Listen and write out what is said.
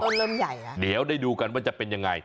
เริ่มเริ่มใหญ่แล้วเดี๋ยวได้ดูกันว่าจะเป็นยังไง